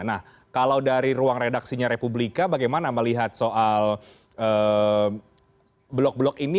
nah kalau dari ruang redaksinya republika bagaimana melihat soal blok blok ini